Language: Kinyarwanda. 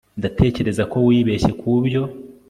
ndatekereza ko wibeshye kubyo